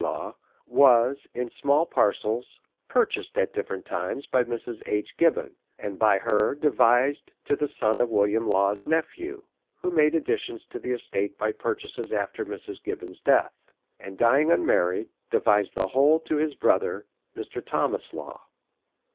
Law, was, in small parcels, purchased at different times by Mrs. H. Gibbon, and by her devised to the son of William Law's nephew, who made additions to the estate by purchases after Mrs. Gibbon's death ; and, dying un married, devised the whole to his brother, Mr. Tho mas Law.